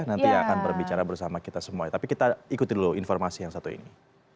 nanti akan berbicara bersama kita semua tapi kita ikuti dulu informasi yang satu ini